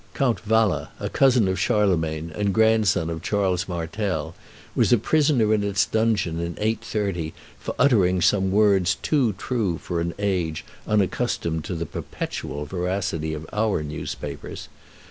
Count Wala, cousin of Charlemagne, and grandson of Charles Martel, was a prisoner in its dungeon in 830 for uttering some words too true for an age unaccustomed to the perpetual veracity of our newspapers.